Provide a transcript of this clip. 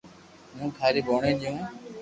ھون ٿاري ڀوڻيجي ھون